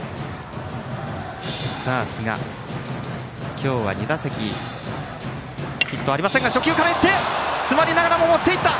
寿賀、今日は２打席ヒットがありませんが初球からいって詰まりながらも持っていった！